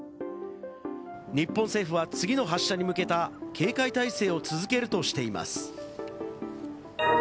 日本政府は次の発射に向けた警戒態勢を続けるとしています。